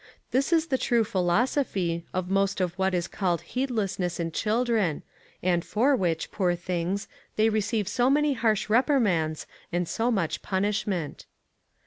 This is the true philosophy of most of what is called heedlessness in children, and for which, poor things, they receive so many harsh reprimands and so much punishment.